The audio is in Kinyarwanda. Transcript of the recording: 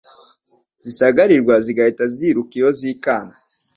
zisagarirwa zigahita ziruka iyo zikanze.